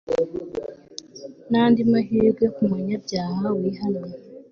n'andi mahirwe ku munyabyaha wihannye